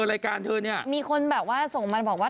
รายการเธอเนี่ยมีคนแบบว่าส่งมาบอกว่า